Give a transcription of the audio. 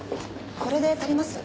これで足ります？